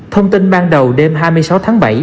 thông tin ban đầu đêm hai mươi sáu tháng bảy